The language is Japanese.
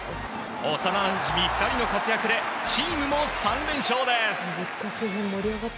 幼なじみ２人の活躍でチームも３連勝です。